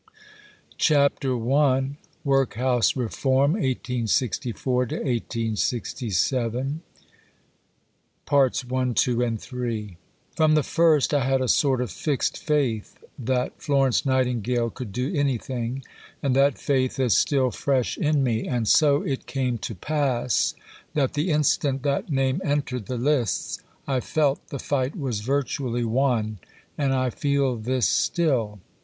CHAPTER I WORKHOUSE REFORM (1864 1867) From the first I had a sort of fixed faith that Florence Nightingale could do anything, and that faith is still fresh in me; and so it came to pass that the instant that name entered the lists I felt the fight was virtually won, and I feel this still.